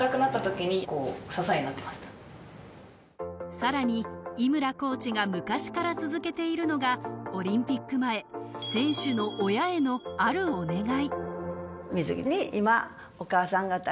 さらに井村コーチが昔から続けているのが、オリンピック前、選手の親へのあるお願い。